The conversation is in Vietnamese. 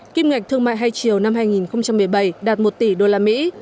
kim ngạch thương mại hai chiều năm hai nghìn một mươi bảy đạt một tỷ usd